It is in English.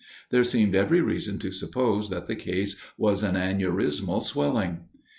There seemed every reason to suppose that the case was an aneurismal swelling.